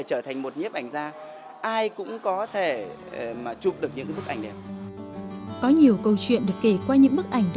do quan sát tất nhiên có những số vấn đề